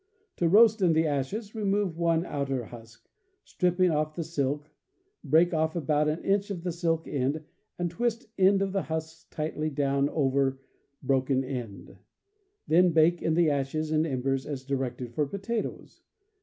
To roast in the ashes: remove one outer husk, stripping off the silk, break off about an inch of the silk end, and twist end of husks tightly down over the broken end. Then bake in the ashes and embers as directed for potatoes.